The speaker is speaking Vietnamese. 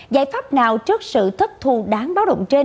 và tám là một năm tỷ đồng